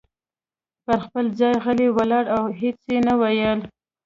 پر خپل ځای غلی ولاړ و او هیڅ یې نه ویل.